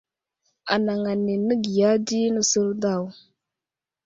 Anaŋ ane nəgiya di nəsər daw.